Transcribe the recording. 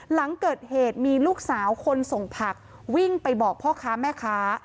หลังเกิดเหตุมีลูกสาวคนส่งผักวิ่งไปบอกพ่อค้าแม่ค้า